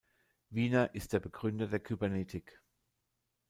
Wiener ist der Begründer der Kybernetik.